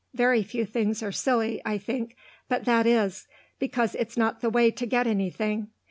"Very few things are silly, I think, but that is, because it's not the way to get anything.